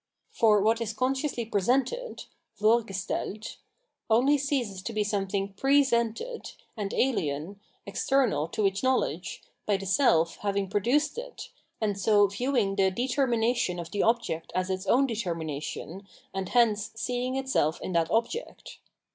For what is consciously presented (VorgsteMt) only ceases to be something " presented " and ahen, external, to its knowledge, by the self having produced it, and so viewii^ the deter mination of the object as its own determination, and hence seeing itself in that object.